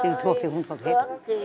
thì thuộc thì không thuộc hết